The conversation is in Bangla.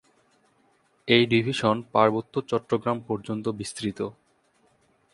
এই ডিভিশন পার্বত্য চট্টগ্রাম পর্যন্ত বিস্তৃত।